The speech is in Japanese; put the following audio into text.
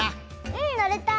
うんのれた！